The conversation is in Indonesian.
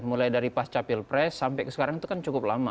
mulai dari pas capil press sampai sekarang itu kan cukup lama